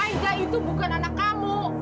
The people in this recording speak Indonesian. aida itu bukan anak kamu